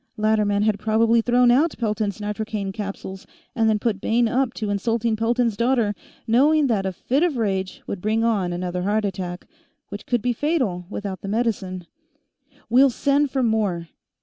Latterman had probably thrown out Pelton's nitrocaine capsules and then put Bayne up to insulting Pelton's daughter, knowing that a fit of rage would bring on another heart attack, which could be fatal without the medicine. "Well, send for more!"